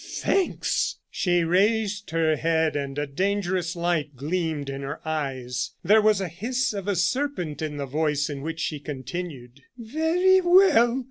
Thanks!" She raised her head, and a dangerous light gleamed in her eyes. There was the hiss of a serpent in the voice in which she continued: "Very well!